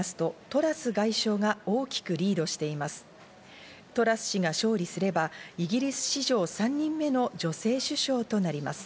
トラス氏が勝利すればイギリス史上３人目の女性首相となります。